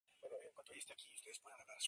Airbus quedó liberada de toda responsabilidad.